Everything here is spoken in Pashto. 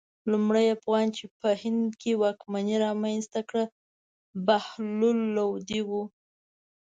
لومړني افغان چې په هند کې واکمني رامنځته کړه بهلول لودی و.